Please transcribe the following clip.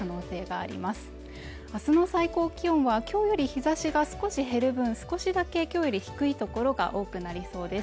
あすの最高気温は今日より日差しが少し減る分少しだけきょうより低い所が多くなりそうです